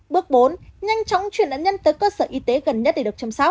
bước bốn nhanh chóng chuyển nạn nhân tới cơ sở y tế gần nhất để được chăm sóc